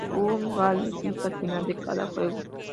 Un gag existe al final de cada juego.